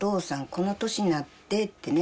この年になってってね。